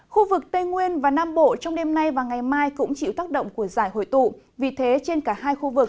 khu vực tây nguyên và nam bộ trong đêm nay và ngày mai cũng chịu tác động của giải hội tụ